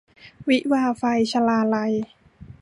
วิวาห์ไฟ - ชลาลัย